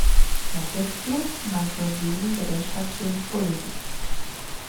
D'aquest club van sorgir diferents faccions polítiques.